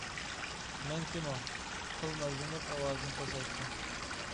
-مەن كىمۇ؟ -قىز نازلىنىپ ئاۋازىنى پەسەيتتى.